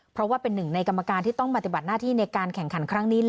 เพราะว่าเป็นหนึ่งในกรรมการที่ต้องปฏิบัติหน้าที่ในการแข่งขันครั้งนี้